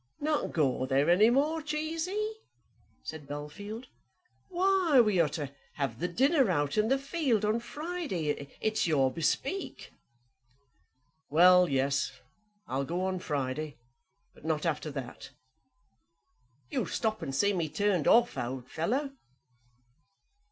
"Not go there any more, Cheesy," said Bellfield; "why, we are to have the dinner out in the field on Friday. It's your own bespeak." "Well, yes; I'll go on Friday, but not after that." "You'll stop and see me turned off, old fellow?"